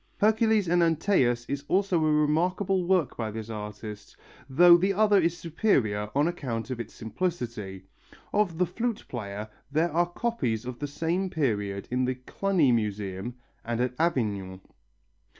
Hercules and Antæus is also a remarkable work by this artist, though the other is superior on account of its simplicity. Of the Flute Player there are copies of the same period in the Cluny Museum and at Avignon.